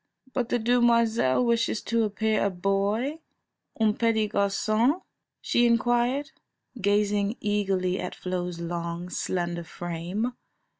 "But the demoiselle wishes to appear a boy, un petit garcon?" she inquired, gazing eagerly at Flo's long, slender frame.